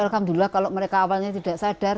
jadi alhamdulillah kalau mereka awalnya tidak sadar